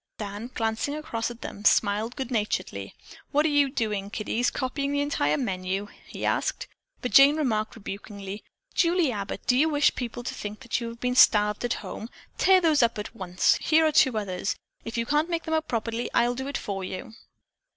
Dan, glancing across at them, smiled good naturedly. "What are you doing, kiddies, copying the entire menu?" he asked. But Jane remarked rebukingly, "Julie Abbott, do you wish people to think that you have been starved at home? Tear those up at once. Here are two others. If you can't make them out properly, I'll do it for you."